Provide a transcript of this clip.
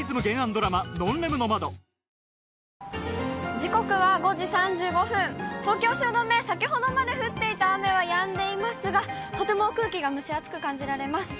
時刻は５時３５分、東京・汐留、先ほどまで降っていた雨はやんでいますが、とても空気が蒸し暑く感じられます。